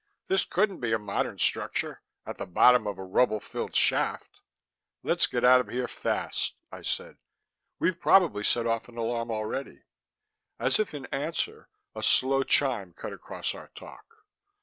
"This couldn't be a modern structure, at the bottom of a rubble filled shaft " "Let's get out of here fast," I said. "We've probably set off an alarm already." As if in answer, a low chime cut across our talk.